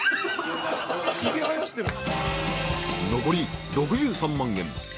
［残り６３万円。